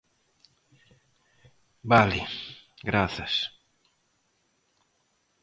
Vale, grazas.